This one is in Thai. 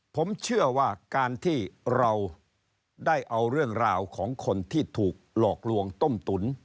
ผมเชื่อว่าการที่เราได้เอาเรื่องราวของคนที่ถูกหลอกลวงต้มตุ๋น